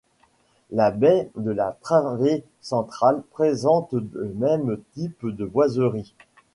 La baie de la travée centrale présente le même type de boiseries.